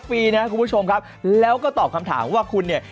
ปีนะครับคุณผู้ชมครับแล้วก็ตอบคำถามว่าคุณเนี่ย